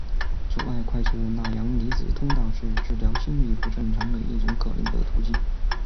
阻碍快速钠阳离子通道是治疗心律不正常的一种可能的途径。